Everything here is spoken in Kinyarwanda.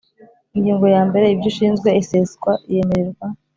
Ingingo ya mbere Ibyo ushinzwe iseswa yemererwa